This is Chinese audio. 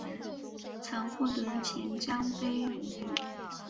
曾获得钱江杯荣誉。